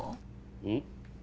うん？